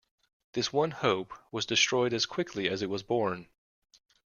This one hope was destroyed as quickly as it was born.